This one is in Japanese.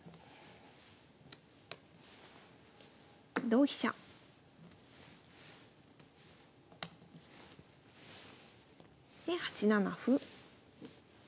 同飛車。で８七歩。